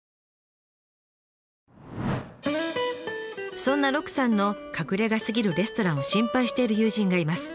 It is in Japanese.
そんな鹿さんの隠れ家すぎるレストランを心配している友人がいます。